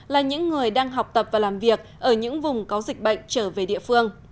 là những người đang học tập và làm việc ở những vùng có dịch bệnh trở về địa phương